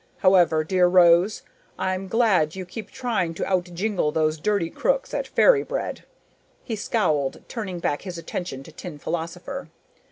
However, dear Rose, I'm glad you keep trying to outjingle those dirty crooks at Fairy Bread." He scowled, turning back his attention to Tin Philosopher.